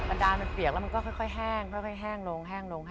อันดาลมันเปียกแล้วมันก็ค่อยแห้งลง